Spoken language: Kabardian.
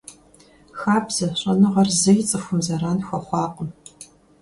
Хабзэ щӀэныгъэр зэи цӀыхум зэран хуэхъуакъым.